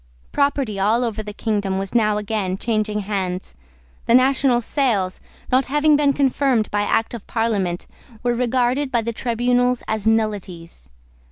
Property all over the kingdom was now again changing hands. The national sales, not having been confirmed by Act of Parliament, were regarded by the tribunals as nullities.